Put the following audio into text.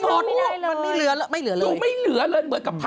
มันไม่เหลือเลยหนูไม่เหลือเลยเหมือนกับพาลบุญ